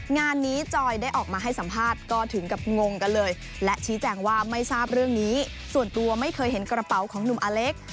งานนี้จอยได้ออกมาให้สัมภาษณ์ก็ถึงกับงงกันเลยและชี้แจงว่าไม่ทราบเรื่องนี้ส่วนตัวไม่เคยเห็นกระเป๋าของหนุ่มอเล็ก